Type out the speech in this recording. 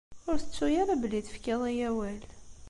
Ur tettu ara belli tefkiḍ-iyi awal!